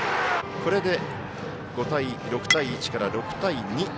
これで、６対１から６対２。